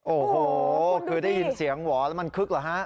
โอ้โหคือได้ยินเสียงหวอแล้วมันคึกเหรอฮะ